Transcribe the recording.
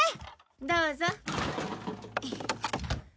どうぞ。